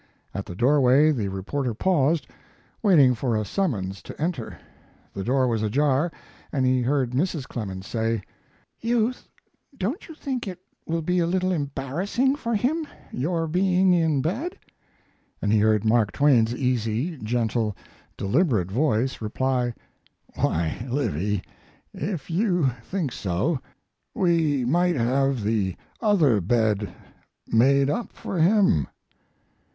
At the doorway the reporter paused, waiting for a summons to enter. The door was ajar and he heard Mrs. Clemens say: "Youth, don't you think it will be a little embarrassing for him, your being in bed?" And he heard Mark Twain's easy, gentle, deliberate voice reply: "Why, Livy, if you think so, we might have the other bed made up for him."